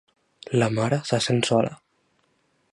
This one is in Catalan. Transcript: La mare se sent sola.